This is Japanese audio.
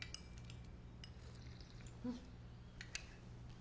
うん。